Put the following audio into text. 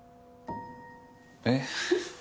えっ。